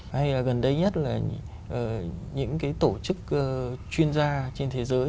hay là gần đây nhất là những cái tổ chức chuyên gia trên thế giới